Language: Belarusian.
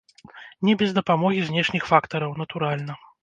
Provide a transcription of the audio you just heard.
Не без дапамогі знешніх фактараў, натуральна.